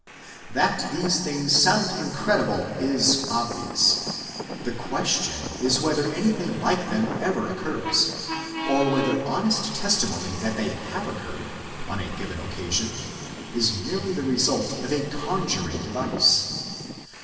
That these things sound incredible is obvious; the question is whether anything like them ever occurs, or whether honest testimony that they have occurred, on a given occasion, is merely the result of a conjuring device.